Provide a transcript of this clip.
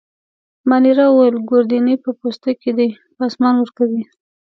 مانیرا وویل: ګوردیني په پوسته کي دی، پاسمان ورکوي.